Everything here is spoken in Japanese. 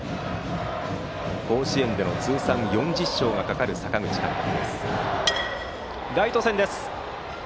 甲子園での通算４０勝がかかる阪口監督。